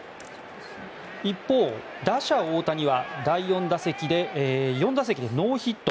一方、打者・大谷は４打席でノーヒット。